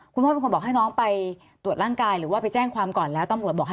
คุณพ่อเป็นคนบอกให้น้องไปตรวจร่างกายหรือว่าไปแจ้งความก่อนแล้วตำรวจบอกให้